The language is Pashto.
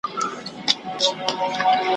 نه مو اختر نه مو خوښي نه مو باران ولیدی `